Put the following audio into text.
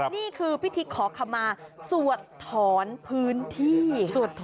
นี่คือพิธีขอขมาสวดถอนพื้นที่